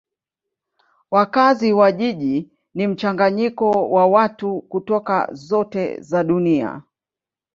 Wakazi wa jiji ni mchanganyiko wa watu kutoka zote za dunia.